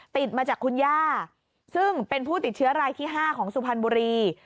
ติดมาจากคุณย่าซึ่งเป็นผู้ติดเชื้อรายที่๕ของสุพรรณบุรี